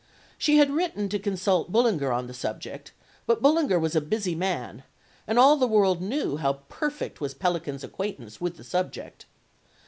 She had written to consult Bullinger on the subject, but Bullinger was a busy man, and all the world knew how perfect was Pellican's acquaintance with the subject.